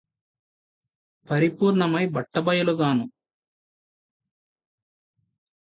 పరిపూర్ణమై బట్టబయలుగాను